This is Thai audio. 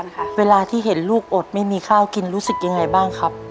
ค่ะเวลาที่เห็นลูกอดไม่มีข้าวกินรู้สึกยังไงบ้างครับ